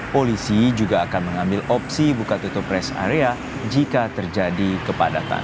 polisi juga akan mengambil opsi buka tutup rest area jika terjadi kepadatan